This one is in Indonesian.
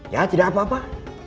ya tidak apa apa